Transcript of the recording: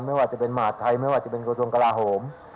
ไม่ว่าจะเป็นมหาดไทยไม่ว่าจะเป็นกระทรวงกลาโหม